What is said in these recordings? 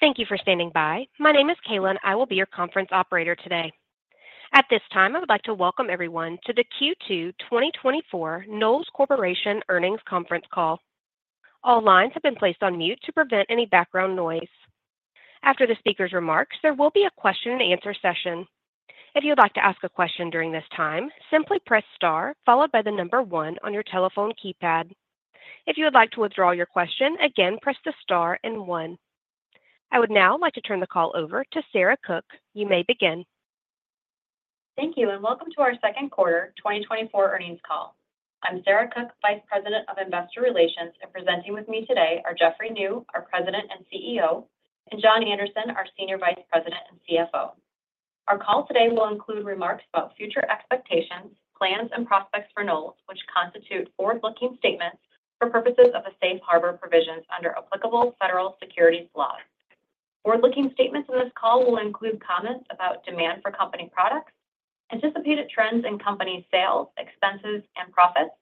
Thank you for standing by. My name is Kayla, and I will be your conference operator today. At this time, I would like to welcome everyone to the Q2 2024 Knowles Corporation Earnings Conference Call. All lines have been placed on mute to prevent any background noise. After the speaker's remarks, there will be a question and answer session. If you would like to ask a question during this time, simply press star followed by the number one on your telephone keypad. If you would like to withdraw your question again, press the star and one. I would now like to turn the call over to Sarah Cook. You may begin. Thank you, and welcome to our second quarter 2024 Earnings Call. I'm Sarah Cook, Vice President of Investor Relations, and presenting with me today are Jeffrey Niew, our President and CEO, and John Anderson, our Senior Vice President and CFO. Our call today will include remarks about future expectations, plans, and prospects for Knowles, which constitute forward-looking statements for purposes of the safe harbor provisions under applicable federal securities laws. Forward-looking statements in this call will include comments about demand for company products, anticipated trends in company sales, expenses, and profits,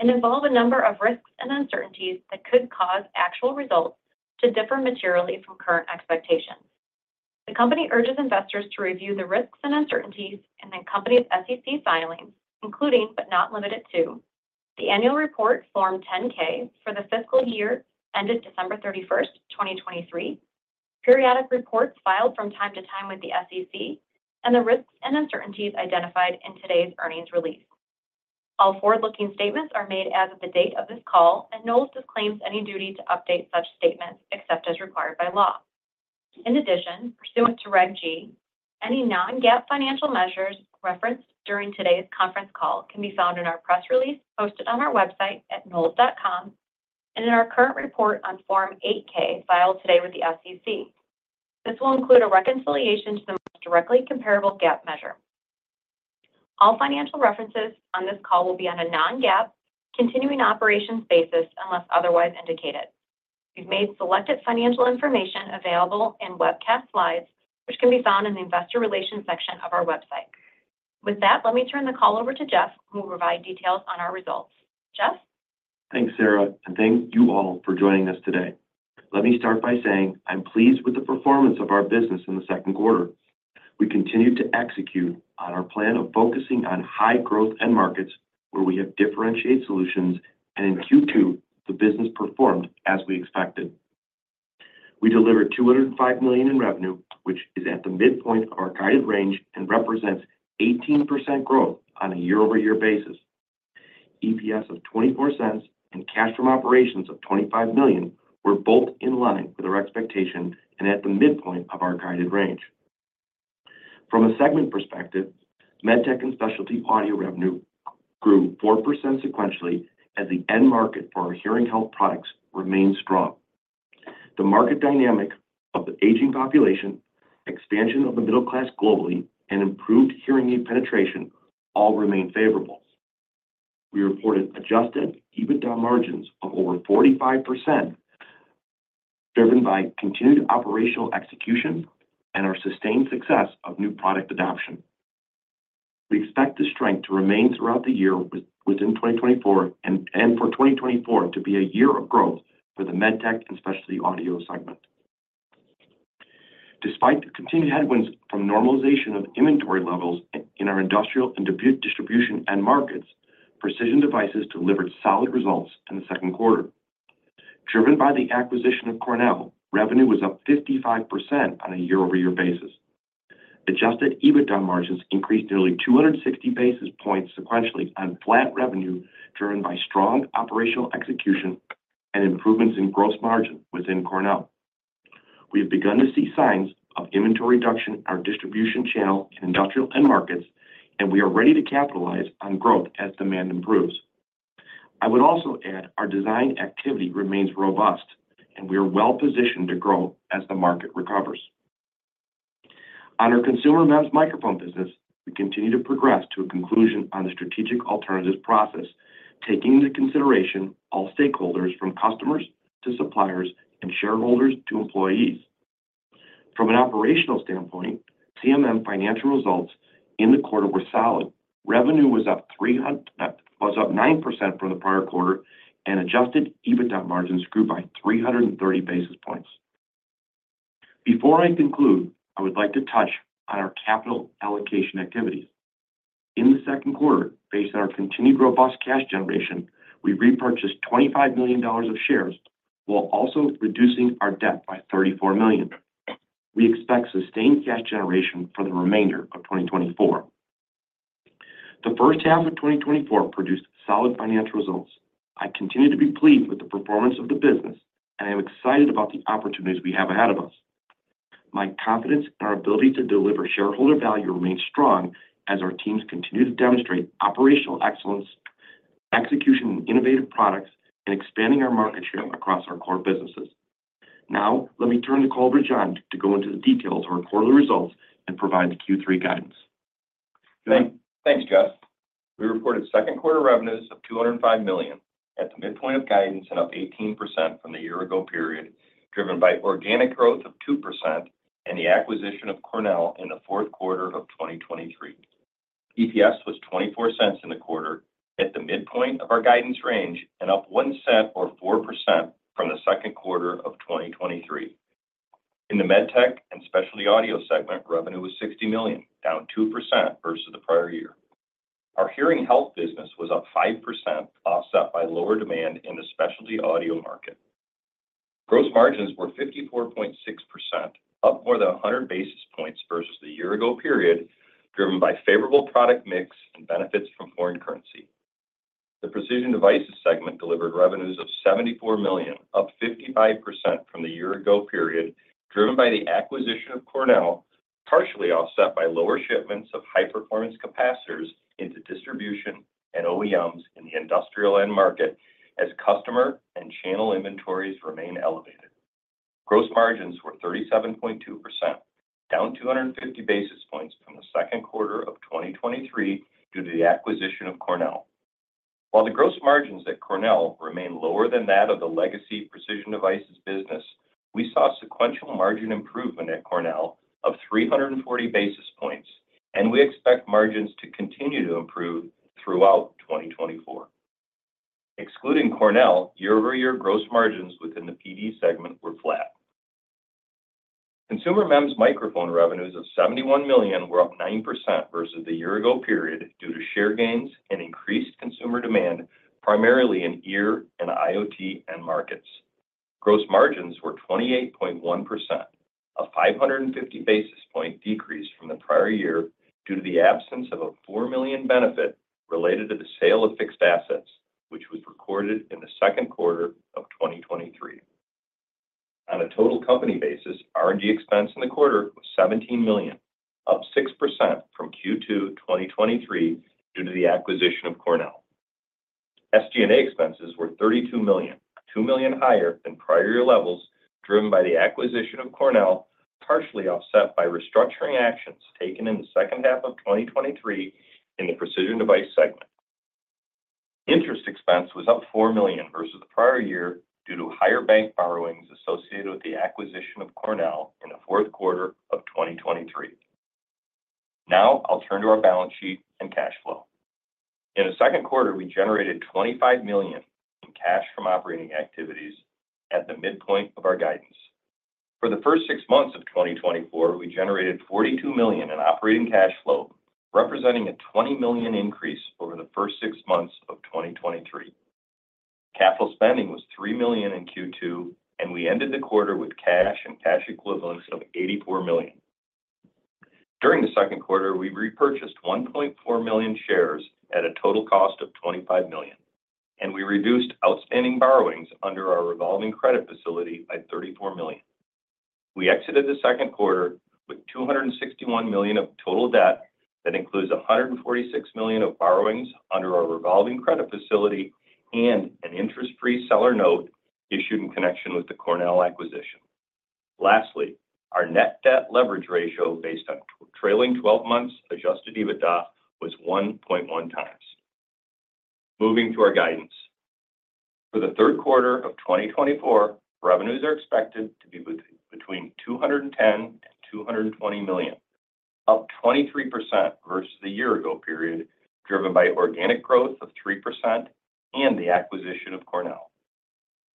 and involve a number of risks and uncertainties that could cause actual results to differ materially from current expectations. The company urges investors to review the risks and uncertainties in the company's SEC filings, including, but not limited to, the annual report Form 10-K for the fiscal year ended December 31st, 2023, periodic reports filed from time to time with the SEC, and the risks and uncertainties identified in today's earnings release. All forward-looking statements are made as of the date of this call, and Knowles disclaims any duty to update such statements except as required by law. In addition, pursuant to Reg G, any non-GAAP financial measures referenced during today's conference call can be found in our press release posted on our website at knowles.com and in our current report on Form 8-K filed today with the SEC. This will include a reconciliation to the most directly comparable GAAP measure. All financial references on this call will be on a non-GAAP continuing operations basis, unless otherwise indicated. We've made selected financial information available in webcast slides, which can be found in the Investor Relations section of our website. With that, let me turn the call over to Jeff, who will provide details on our results. Jeff? Thanks, Sarah, and thank you all for joining us today. Let me start by saying I'm pleased with the performance of our business in the second quarter. We continued to execute on our plan of focusing on high growth end markets where we have differentiated solutions, and in Q2, the business performed as we expected. We delivered $205 million in revenue, which is at the midpoint of our guided range and represents 18% growth on a year-over-year basis. EPS of $0.24 and cash from operations of $25 million were both in line with our expectation and at the midpoint of our guided range. From a segment perspective, MedTech and Specialty Audio revenue grew 4% sequentially as the end market for our hearing health products remained strong. The market dynamic of the aging population, expansion of the middle class globally, and improved hearing aid penetration all remain favorable. We reported adjusted EBITDA margins of over 45%, driven by continued operational execution and our sustained success of new product adoption. We expect this strength to remain throughout the year within 2024 and for 2024 to be a year of growth for the MedTech and Specialty Audio segment. Despite the continued headwinds from normalization of inventory levels in our industrial and distribution end markets, Precision Devices delivered solid results in the second quarter. Driven by the acquisition of Cornell, revenue was up 55% on a year-over-year basis. Adjusted EBITDA margins increased nearly 260 basis points sequentially on flat revenue, driven by strong operational execution and improvements in gross margin within Cornell. We have begun to see signs of inventory reduction in our distribution channel in industrial end markets, and we are ready to capitalize on growth as demand improves. I would also add our design activity remains robust, and we are well positioned to grow as the market recovers. On our Consumer MEMS Microphones business, we continue to progress to a conclusion on the strategic alternatives process, taking into consideration all stakeholders from customers to suppliers and shareholders to employees. From an operational standpoint, CMM financial results in the quarter were solid. Revenue was up 9% from the prior quarter, and adjusted EBITDA margins grew by 330 basis points. Before I conclude, I would like to touch on our capital allocation activities. In the second quarter, based on our continued robust cash generation, we repurchased $25 million of shares while also reducing our debt by $34 million. We expect sustained cash generation for the remainder of 2024. The first half of 2024 produced solid financial results. I continue to be pleased with the performance of the business, and I am excited about the opportunities we have ahead of us. My confidence in our ability to deliver shareholder value remains strong as our teams continue to demonstrate operational excellence, execution, innovative products, and expanding our market share across our core businesses. Now, let me turn the call over to John to go into the details of our quarterly results and provide the Q3 guidance. John? Thanks, Jeff. We reported second quarter revenues of $205 million at the midpoint of guidance and up 18% from the year ago period, driven by organic growth of 2% and the acquisition of Cornell in the fourth quarter of 2023. EPS was $0.24 in the quarter, at the midpoint of our guidance range, and up $0.01 or 4% from the second quarter of 2023. In the MedTech and Specialty Audio segment, revenue was $60 million, down 2% versus the prior year. Our hearing health business was up 5%, offset by lower demand in the specialty audio market. Gross margins were 54.6%, up more than 100 basis points versus the year ago period, driven by favorable product mix and benefits from foreign currency. The Precision Devices segment delivered revenues of $74 million, up 55% from the year ago period, driven by the acquisition of Cornell, partially offset by lower shipments of high-performance capacitors into distribution and OEMs in the industrial end market, as customer and channel inventories remain elevated. Gross margins were 37.2%, down 250 basis points from the second quarter of 2023 due to the acquisition of Cornell. While the gross margins at Cornell remain lower than that of the legacy Precision Devices business, we saw sequential margin improvement at Cornell of 340 basis points, and we expect margins to continue to improve throughout 2024. Excluding Cornell, year-over-year gross margins within the PD segment were flat. Consumer MEMS microphone revenues of $71 million were up 9% versus the year ago period due to share gains and increased consumer demand, primarily in Ear and IoT end markets. Gross margins were 28.1%, a 550 basis points decrease from the prior year due to the absence of a $4 million benefit related to the sale of fixed assets, which was recorded in the second quarter of 2023. On a total company basis, R&D expense in the quarter was $17 million, up 6% from Q2 2023 due to the acquisition of Cornell. SG&A expenses were $32 million, $2 million higher than prior year levels, driven by the acquisition of Cornell, partially offset by restructuring actions taken in the second half of 2023 in the Precision Devices segment. Interest expense was up $4 million versus the prior year due to higher bank borrowings associated with the acquisition of Cornell in the fourth quarter of 2023. Now I'll turn to our balance sheet and cash flow. In the second quarter, we generated $25 million in cash from operating activities at the midpoint of our guidance. For the first six months of 2024, we generated $42 million in operating cash flow, representing a $20 million increase over the first six months of 2023. Capital spending was $3 million in Q2, and we ended the quarter with cash and cash equivalents of $84 million. During the second quarter, we repurchased 1.4 million shares at a total cost of $25 million, and we reduced outstanding borrowings under our revolving credit facility by $34 million. We exited the second quarter with $261 million of total debt. That includes $146 million of borrowings under our revolving credit facility and an interest-free seller note issued in connection with the Cornell acquisition. Lastly, our net debt leverage ratio, based on trailing twelve months adjusted EBITDA, was 1.1 times. Moving to our guidance. For the third quarter of 2024, revenues are expected to be between $210 million and $220 million, up 23% versus the year ago period, driven by organic growth of 3% and the acquisition of Cornell.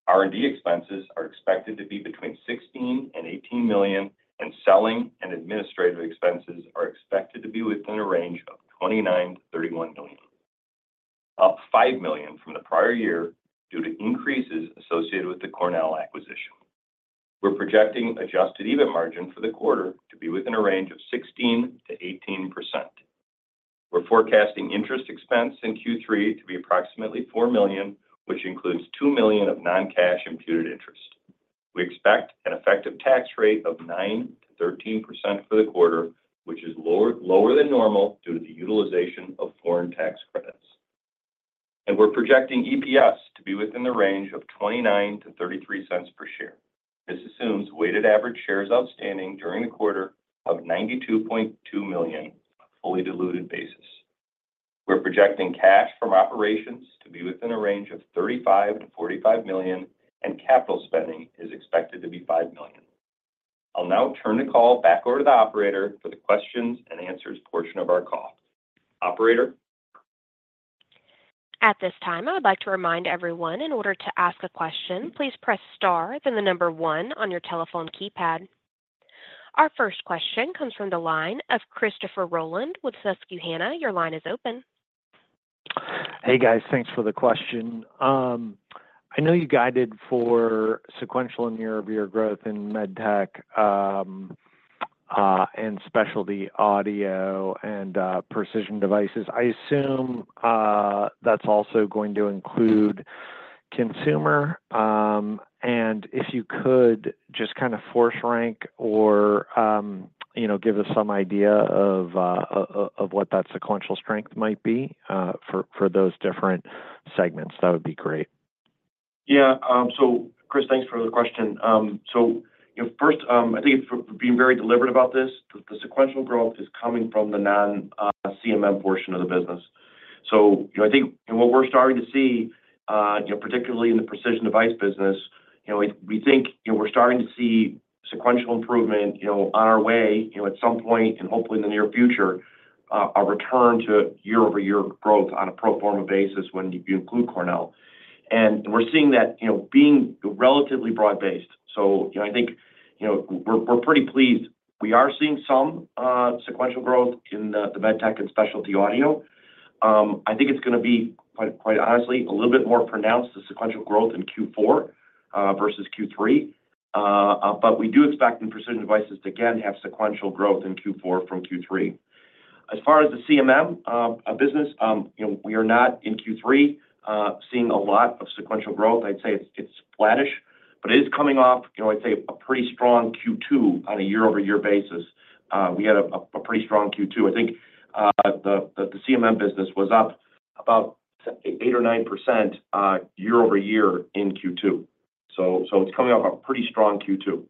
R&D expenses are expected to be between $16 million and $18 million, and selling and administrative expenses are expected to be within a range of $29 million-$31 million, up $5 million from the prior year due to increases associated with the Cornell acquisition. We're projecting adjusted EBIT margin for the quarter to be within a range of 16%-18%. We're forecasting interest expense in Q3 to be approximately $4 million, which includes $2 million of non-cash imputed interest. We expect an effective tax rate of 9%-13% for the quarter, which is lower than normal due to the utilization of foreign tax credits. We're projecting EPS to be within the range of $0.29-$0.33 per share. This assumes weighted average shares outstanding during the quarter of 92.2 million on a fully diluted basis. We're projecting cash from operations to be within a range of $35 million-$45 million, and capital spending is expected to be $5 million. I'll now turn the call back over to the operator for the questions and answers portion of our call. Operator? At this time, I would like to remind everyone in order to ask a question, please press star, then the number one on your telephone keypad. Our first question comes from the line of Christopher Rolland with Susquehanna. Your line is open. Hey, guys. Thanks for the question. I know you guided for sequential and year-over-year growth in MedTech and Specialty Audio and Precision Devices. I assume that's also going to include consumer, and if you could just kind of force rank or you know, give us some idea of what that sequential strength might be for those different segments, that would be great. Yeah. So Chris, thanks for the question. So first, I think being very deliberate about this, the sequential growth is coming from the non-CMM portion of the business.... So, you know, I think what we're starting to see, you know, particularly in the Precision Devices business, you know, we think, you know, we're starting to see sequential improvement, you know, on our way, you know, at some point, and hopefully in the near future, a return to year-over-year growth on a pro forma basis when you include Cornell. And we're seeing that, you know, being relatively broad-based. So, you know, I think, you know, we're pretty pleased. We are seeing some sequential growth in the MedTech and Specialty Audio. I think it's gonna be quite honestly a little bit more pronounced, the sequential growth in Q4 versus Q3. But we do expect in Precision Devices to again have sequential growth in Q4 from Q3. As far as the CMM business, you know, we are not in Q3 seeing a lot of sequential growth. I'd say it's flattish, but it is coming off, you know, I'd say a pretty strong Q2 on a year-over-year basis. We had a pretty strong Q2. I think, the CMM business was up about 8% or 9% year-over-year in Q2, so it's coming off a pretty strong Q2.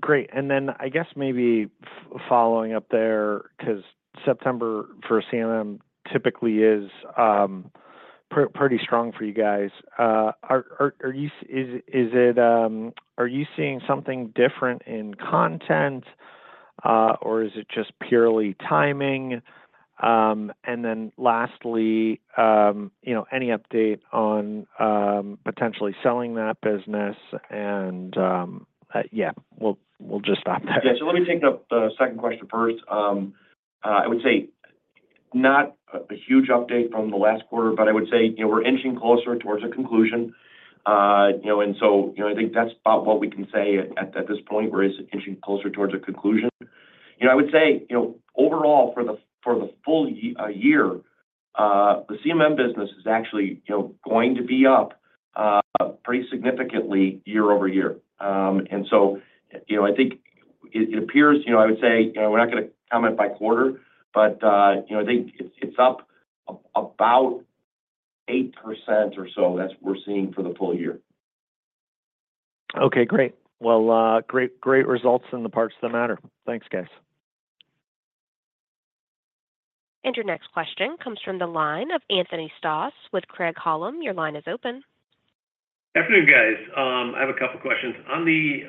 Great. And then I guess maybe following up there, 'cause September for CMM typically is pretty strong for you guys. Are you seeing something different in content, or is it just purely timing? And then lastly, you know, any update on potentially selling that business and, yeah, we'll just stop there. Yeah. So let me take the second question first. I would say not a huge update from the last quarter, but I would say, you know, we're inching closer towards a conclusion. You know, and so, you know, I think that's about what we can say at this point, we're inching closer towards a conclusion. You know, I would say, you know, overall, for the full year, the CMM business is actually, you know, going to be up pretty significantly year-over-year. And so, you know, I think it appears-- you know, I would say, you know, we're not gonna comment by quarter, but, you know, I think it's up about 8% or so. That's what we're seeing for the full year. Okay, great. Well, great, great results in the parts that matter. Thanks, guys. Your next question comes from the line of Anthony Stoss with Craig-Hallum. Your line is open. Good afternoon, guys. I have a couple questions. On the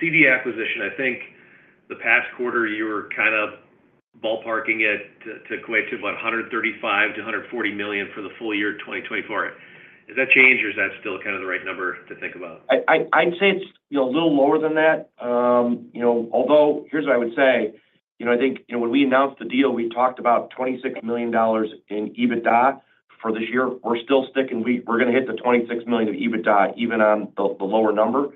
CD acquisition, I think the past quarter, you were kind of ballparking it to equate to about $135 million-$140 million for the full year 2024. Has that changed, or is that still kind of the right number to think about? I'd say it's, you know, a little lower than that. You know, although, here's what I would say: you know, I think, you know, when we announced the deal, we talked about $26 million in EBITDA for this year. We're still sticking... We're gonna hit the $26 million of EBITDA, even on the, the lower number,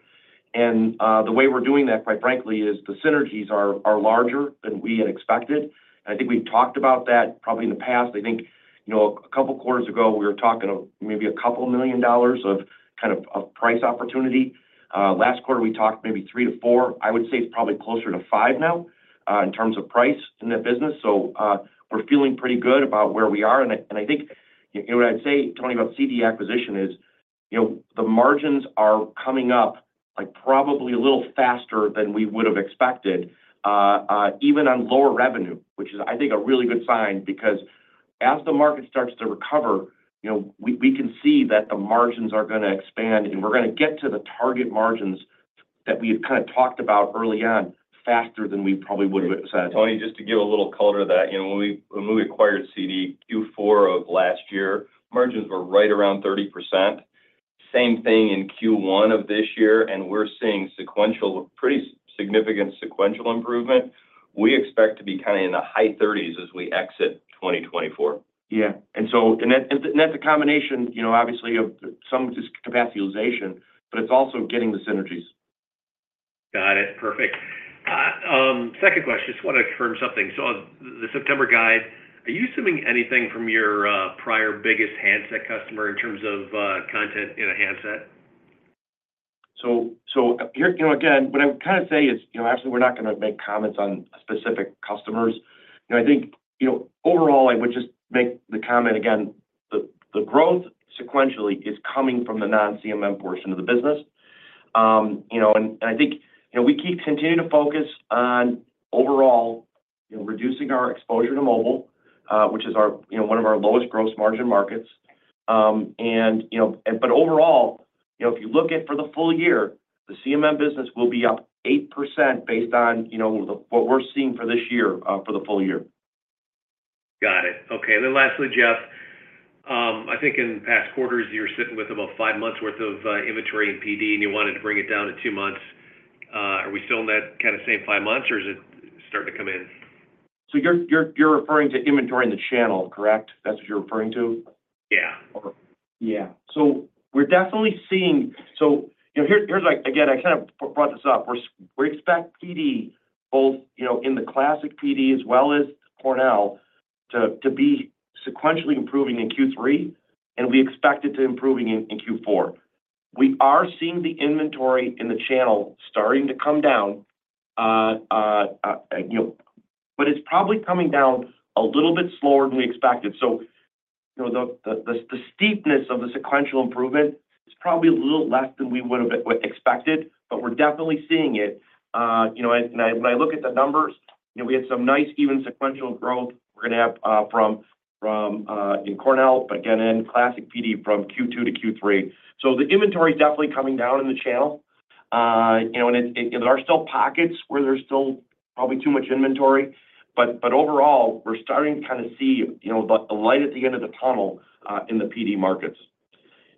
and, the way we're doing that, quite frankly, is the synergies are, are larger than we had expected. I think we've talked about that probably in the past. I think, you know, a couple quarters ago, we were talking about maybe a couple million dollars of kind of, of price opportunity. Last quarter, we talked maybe 3-4. I would say it's probably closer to 5 now, in terms of price in that business. So, we're feeling pretty good about where we are, and I, and I think... You know, what I'd say, Tony, about CD acquisition is, you know, the margins are coming up, like, probably a little faster than we would've expected, even on lower revenue, which is, I think, a really good sign, because as the market starts to recover, you know, we, we can see that the margins are gonna expand, and we're gonna get to the target margins that we've kind of talked about early on, faster than we probably would've anticipated. Tony, just to give a little color to that, you know, when we, when we acquired CD Q4 of last year, margins were right around 30%. Same thing in Q1 of this year, and we're seeing sequential, pretty significant sequential improvement. We expect to be kind of in the high 30s as we exit 2024. Yeah. And so that's a combination, you know, obviously, of some just capacity utilization, but it's also getting the synergies. Got it. Perfect. Second question, just want to confirm something. So on the September guide, are you assuming anything from your, prior biggest handset customer in terms of, content in a handset? So, here, you know, again, what I would kind of say is, you know, obviously, we're not gonna make comments on specific customers. You know, I think, you know, overall, I would just make the comment again, the growth sequentially is coming from the non-CMM portion of the business. You know, and I think, you know, we keep continuing to focus on overall, you know, reducing our exposure to mobile, which is our, you know, one of our lowest gross margin markets. And, you know, but overall, you know, if you look at for the full year, the CMM business will be up 8% based on, you know, what we're seeing for this year, for the full year. Got it. Okay. And then lastly, Jeff, I think in past quarters, you're sitting with about five months worth of inventory in PD, and you wanted to bring it down to two months. Are we still in that kind of same five months, or is it starting to come in? You're referring to inventory in the channel, correct? That's what you're referring to? Yeah. Okay. Yeah. So we're definitely seeing... So, you know, here, here's like, again, I kind of brought this up. We're, we expect PD both, you know, in the classic PD as well as Cornell, to be sequentially improving in Q3, and we expect it to improving in Q4. We are seeing the inventory in the channel starting to come down, you know, but it's probably coming down a little bit slower than we expected. You know, the steepness of the sequential improvement is probably a little less than we would have expected, but we're definitely seeing it. You know, and when I look at the numbers, you know, we had some nice even sequential growth. We're gonna have from in Cornell, but again, in classic PD from Q2 to Q3. So the inventory is definitely coming down in the channel. You know, and it, and there are still pockets where there's still probably too much inventory, but, but overall, we're starting to kind of see, you know, the, the light at the end of the tunnel, in the PD markets.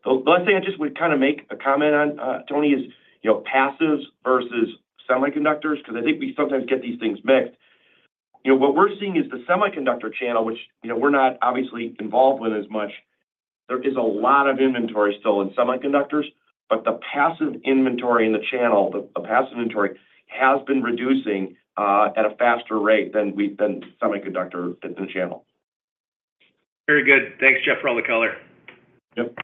The last thing I just would kind of make a comment on, Tony, is, you know, passives versus semiconductors, because I think we sometimes get these things mixed. You know, what we're seeing is the semiconductor channel, which, you know, we're not obviously involved with as much. There is a lot of inventory still in semiconductors, but the passive inventory in the channel, the, the passive inventory has been reducing, at a faster rate than semiconductor in the channel. Very good. Thanks, Jeff, for all the color. Yep.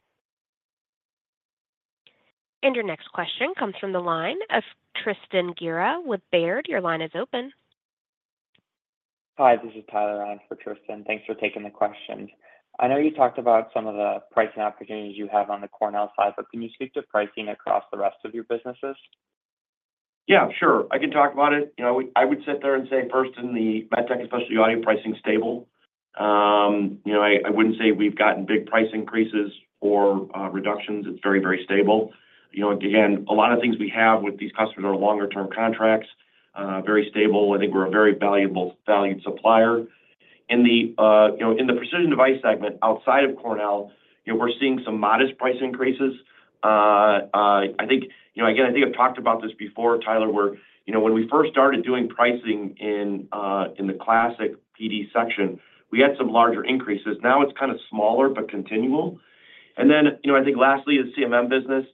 Your next question comes from the line of Tristan Gerra with Baird. Your line is open. Hi, this is Tyler on for Tristan. Thanks for taking the question. I know you talked about some of the pricing opportunities you have on the Cornell side, but can you speak to pricing across the rest of your businesses? Yeah, sure. I can talk about it. You know, I would sit there and say first in the MedTech, Specialty Audio, pricing stable, you know, I wouldn't say we've gotten big price increases or reductions. It's very, very stable. You know, again, a lot of things we have with these customers are longer term contracts, very stable. I think we're a very valuable, valued supplier. In the, you know, in the precision device segment outside of Cornell, you know, we're seeing some modest price increases. I think, you know, again, I think I've talked about this before, Tyler, where, you know, when we first started doing pricing in the classic PD section, we had some larger increases. Now it's kind of smaller but continual. And then, you know, I think lastly, the CMM business.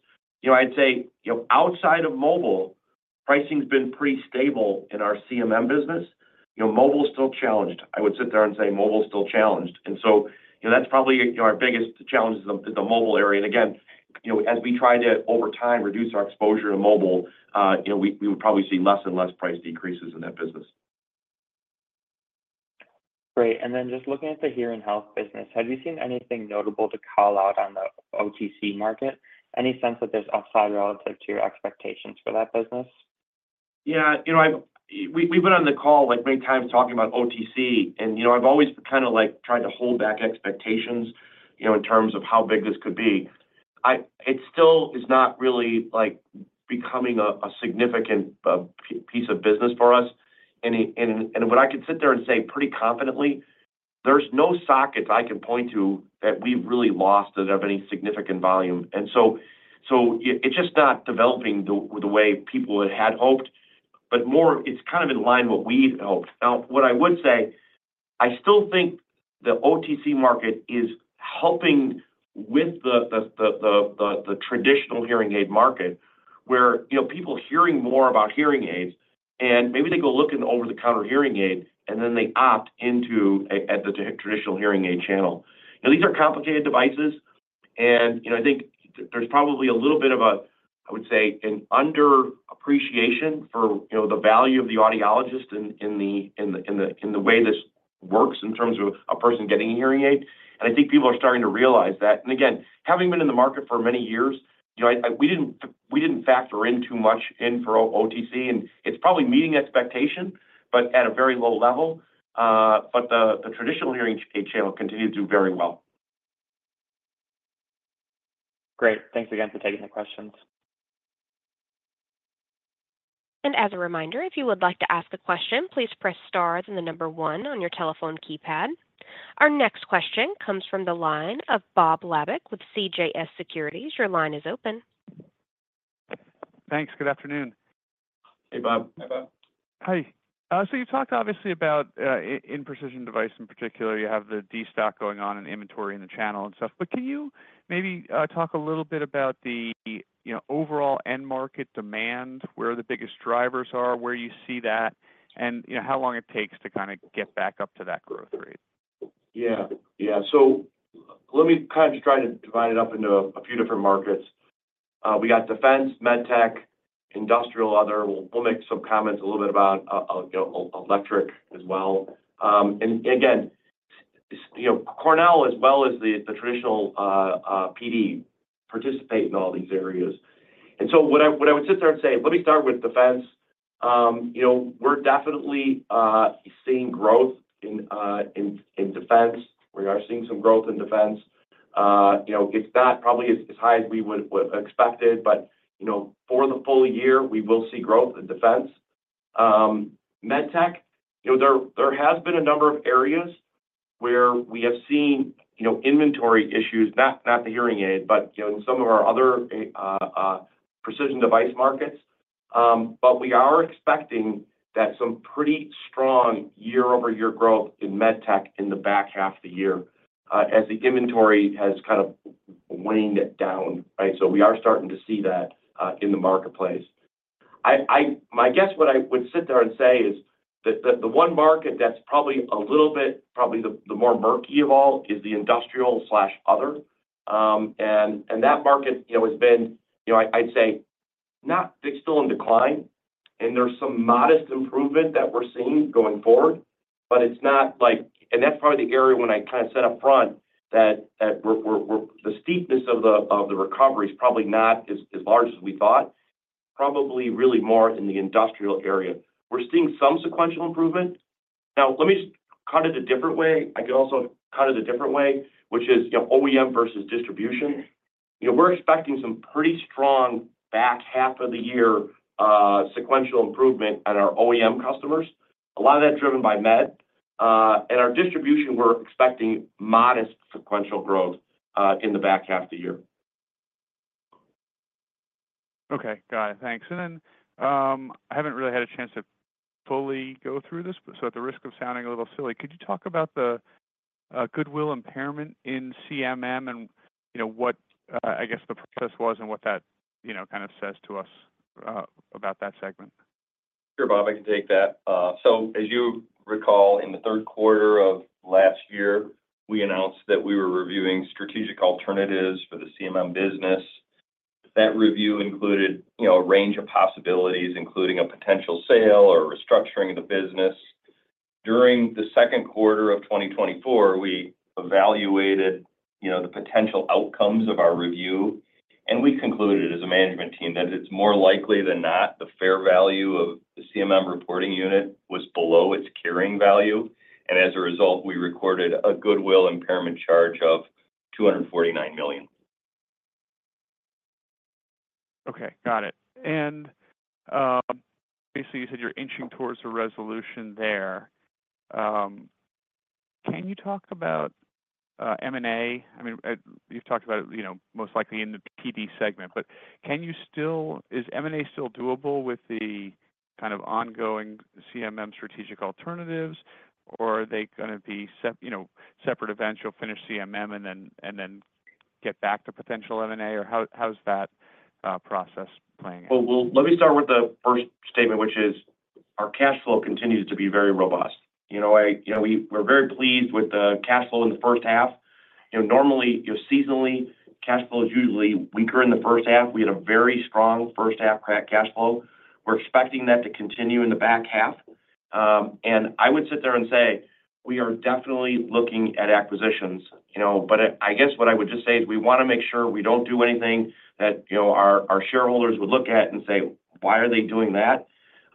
You know, I'd say, you know, outside of mobile, pricing's been pretty stable in our CMM business. You know, mobile's still challenged. I would sit there and say mobile's still challenged. And so, you know, that's probably, you know, our biggest challenge is the mobile area. And again, you know, as we try to over time, reduce our exposure to mobile, you know, we would probably see less and less price decreases in that business. Great. And then just looking at the hearing health business, have you seen anything notable to call out on the OTC market? Any sense that there's upside relative to your expectations for that business? Yeah, you know, we've been on the call like many times talking about OTC and, you know, I've always kind of like tried to hold back expectations, you know, in terms of how big this could be. It still is not really like becoming a significant piece of business for us. And what I could sit there and say pretty confidently, there's no sockets I can point to that we've really lost that have any significant volume. So it is just not developing the way people had hoped, but more it's kind of in line with what we'd hoped. Now, what I would say, I still think the OTC market is helping with the traditional hearing aid market, where, you know, people hearing more about hearing aids, and maybe they go look in the over-the-counter hearing aid, and then they opt into a, at the traditional hearing aid channel. Now, these are complicated devices, and, you know, I think there's probably a little bit of a, I would say, an under appreciation for, you know, the value of the audiologist in the way this works in terms of a person getting a hearing aid. And I think people are starting to realize that. And again, having been in the market for many years, you know, we didn't factor in too much in for OTC, and it's probably meeting expectation, but at a very low level. But the traditional hearing aid channel continued to do very well. Great. Thanks again for taking the questions. As a reminder, if you would like to ask a question, please press star and the number one on your telephone keypad. Our next question comes from the line of Bob Labick with CJS Securities. Your line is open. Thanks. Good afternoon. Hey, Bob. Hey, Bob. Hi. So you talked obviously about in Precision Devices in particular, you have the destocking going on and inventory in the channel and stuff, but can you maybe talk a little bit about the, you know, overall end market demand, where the biggest drivers are, where you see that, and, you know, how long it takes to kind of get back up to that growth rate? Yeah. Yeah. So let me kind of try to divide it up into a few different markets. We got defense, MedTech, industrial, other. We'll make some comments a little bit about, you know, electric as well. And again, you know, Cornell as well as the traditional PD participate in all these areas. And so what I would sit there and say, let me start with defense. You know, we're definitely seeing growth in defense. We are seeing some growth in defense. You know, it's not probably as high as we would expected, but, you know, for the full year, we will see growth in defense. MedTech, you know, there has been a number of areas where we have seen, you know, inventory issues, not the hearing aid, but, you know, in some of our other precision device markets. But we are expecting some pretty strong year-over-year growth in MedTech in the back half of the year, as the inventory has kind of waned down, right? So we are starting to see that in the marketplace. My guess, what I would sit there and say is that the one market that's probably a little bit, probably the more murky of all is the industrial/other. And that market, you know, has been, you know, I'd say-... Not, it's still in decline, and there's some modest improvement that we're seeing going forward, but it's not like. And that's probably the area when I kind of said upfront that the steepness of the recovery is probably not as large as we thought, probably really more in the industrial area. We're seeing some sequential improvement. Now, let me just cut it a different way. I can also cut it a different way, which is, you know, OEM versus distribution. You know, we're expecting some pretty strong back half of the year sequential improvement on our OEM customers. A lot of that driven by med. And our distribution, we're expecting modest sequential growth in the back half of the year. Okay. Got it. Thanks. And then, I haven't really had a chance to fully go through this, but so at the risk of sounding a little silly, could you talk about the goodwill impairment in CMM and, you know, what I guess the process was and what that, you know, kind of says to us about that segment? Sure, Bob, I can take that. So as you recall, in the third quarter of last year, we announced that we were reviewing strategic alternatives for the CMM business. That review included, you know, a range of possibilities, including a potential sale or restructuring of the business. During the second quarter of 2024, we evaluated, you know, the potential outcomes of our review, and we concluded, as a management team, that it's more likely than not, the fair value of the CMM reporting unit was below its carrying value, and as a result, we recorded a goodwill impairment charge of $249 million. Okay. Got it. And basically, you said you're inching towards a resolution there. Can you talk about M&A? I mean, you've talked about, you know, most likely in the PD segment, but can you still? Is M&A still doable with the kind of ongoing CMM strategic alternatives? Or are they gonna be, you know, separate events, you'll finish CMM and then, and then get back to potential M&A? Or how's that process playing out? Well, let me start with the first statement, which is our cash flow continues to be very robust. You know, I—you know, we're very pleased with the cash flow in the first half. You know, normally, you know, seasonally, cash flow is usually weaker in the first half. We had a very strong first half cash flow. We're expecting that to continue in the back half. And I would sit there and say, we are definitely looking at acquisitions, you know? But I guess what I would just say is, we wanna make sure we don't do anything that, you know, our shareholders would look at and say, "Why are they doing that?"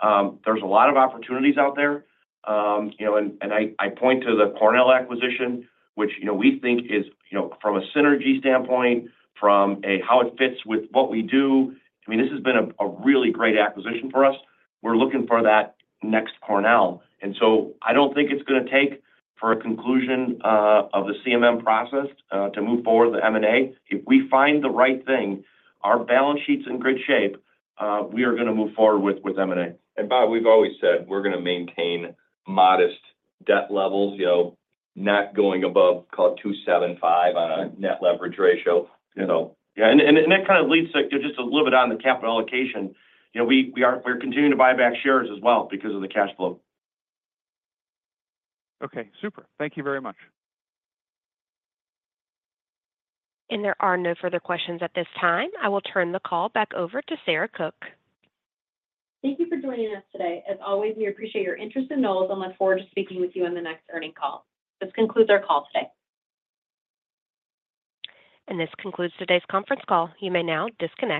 There's a lot of opportunities out there, you know, and I point to the Cornell acquisition, which, you know, we think is, you know, from a synergy standpoint, from a how it fits with what we do, I mean, this has been a really great acquisition for us. We're looking for that next Cornell, and so I don't think it's gonna take for a conclusion of the CMM process to move forward with the M&A. If we find the right thing, our balance sheet's in good shape, we are gonna move forward with M&A. Bob, we've always said, we're gonna maintain modest debt levels, you know, not going above, call it 2.75 on a net leverage ratio, you know? Yeah, and that kind of leads to just a little bit on the capital allocation. You know, we're continuing to buy back shares as well because of the cash flow. Okay. Super. Thank you very much. There are no further questions at this time. I will turn the call back over to Sarah Cook. Thank you for joining us today. As always, we appreciate your interest in Knowles and look forward to speaking with you on the next earnings call. This concludes our call today. This concludes today's conference call. You may now disconnect.